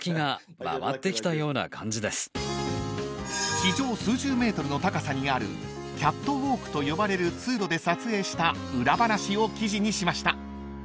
［地上数十ｍの高さにあるキャットウオークと呼ばれる通路で撮影した裏話を記事にしました］